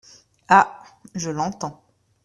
Ah ! je l’entends.